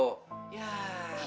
nyenengin umi sama abah lo